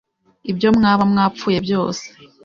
ibyo mwaba mwapfuye byose